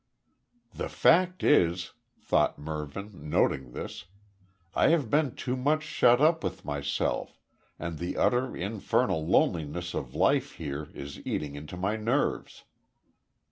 "The fact is," thought Mervyn, noting this, "I have been too much shut up with myself, and the utter, infernal loneliness of life here is eating into my nerves."